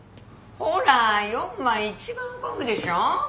ほら４番一番込むでしょ？